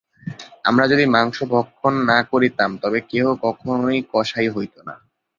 আমরা যদি মাংস ভক্ষণ না করিতাম, তবে কেহ কখনই কসাই হইত না।